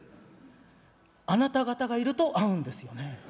あなた方がいると合うんですよね。